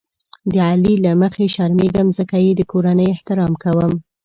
د علي له مخې شرمېږم ځکه یې د کورنۍ احترام کوم.